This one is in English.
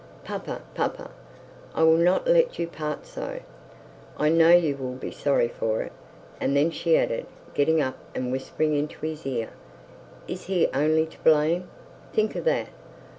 'Papa, papa, I will not let you part so. I know you will be sorry for it.' And then she added, getting up and whispering into his ear. 'Is he only to blame? Think of that.